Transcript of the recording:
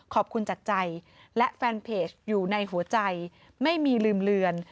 ขอบคุณจากใจและแฟนเพจอยู่ในหัวใจไม่มีลืมเลือน